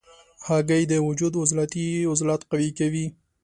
هګۍ د وجود عضلات قوي کوي.